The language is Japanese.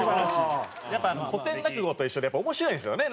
やっぱ古典落語と一緒で面白いんですよね